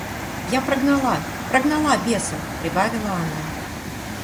Я прогнала, прогнала беса, — прибавила она.